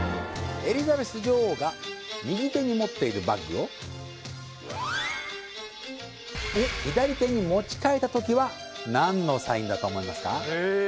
エリザベス女王が右手に持っているバッグを左手に持ち替えたときは何のサインだと思いますか？